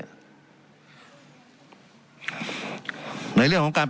การปรับปรุงทางพื้นฐานสนามบิน